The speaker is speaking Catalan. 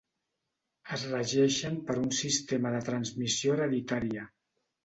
Es regeixen per un sistema de transmissió hereditària.